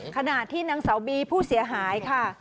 ขณะที่นางสาวบีผู้เสียหายค่ะ